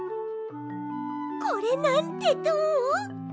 これなんてどう？